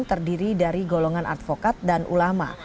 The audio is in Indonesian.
terdiri dari golongan advokat dan ulama